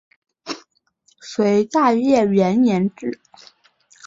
隋大业元年置。